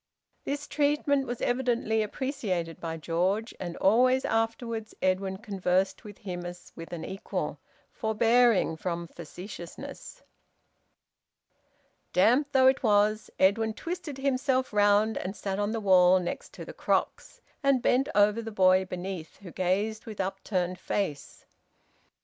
This treatment was evidently appreciated by George, and always afterwards Edwin conversed with him as with an equal, forbearing from facetiousness. Damp though it was, Edwin twisted himself round and sat on the wall next to the crocks, and bent over the boy beneath, who gazed with upturned face.